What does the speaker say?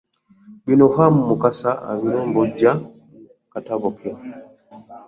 Bino Ham Mukasa abilombojja mu katabo ke.